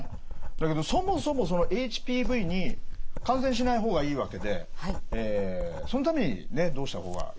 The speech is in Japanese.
だけどそもそもそのＨＰＶに感染しない方がいいわけでそのためにねどうした方がいいのかということですね。